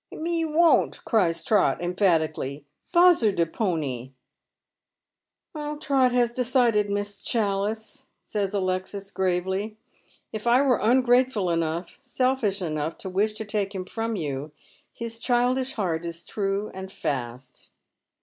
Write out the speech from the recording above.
''" Me won't," cries Trot, emphatically. " Bozer de pony !"" Trot has decided. Miss Chalhce," says Alexis, gravely. *' If I were ungrateful enough, selfish enough, to wish to take him from you, his childish heart is true and fast.